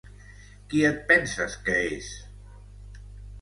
Qui et penses que és?